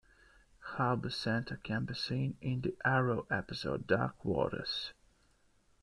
Harbour Centre can be seen in the "Arrow" episode "Dark Waters"